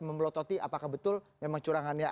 memelototi apakah betul memang curangannya